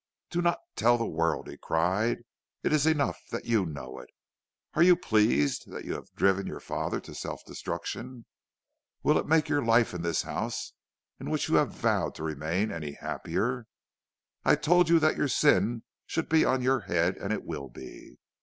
"'Do not tell the world,' he cried. 'It is enough that you know it. Are you pleased that you have driven your father to self destruction? Will it make your life in this house, in which you have vowed to remain, any happier? I told you that your sin should be on your head; and it will be.